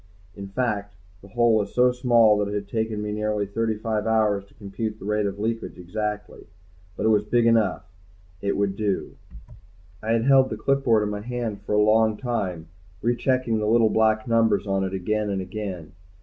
In fact the hole was so small that it had taken me nearly thirty five hours to compute the rate of leakage exactly. But it was big enough, it would do. I had held the clipboard in my hand for a long time, rechecking the little black numbers on it again and again.